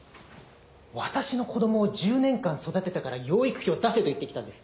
私の子どもを１０年間育てたから養育費を出せと言ってきたんです。